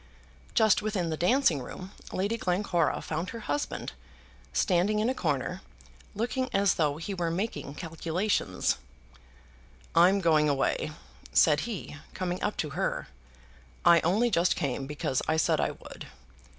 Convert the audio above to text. Just within the dancing room Lady Glencora found her husband, standing in a corner, looking as though he were making calculations. "I'm going away," said he, coming up to her. "I only just came because I said I would.